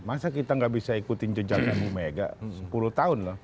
masa kita gak bisa ikutin jejak ibu mega sepuluh tahun loh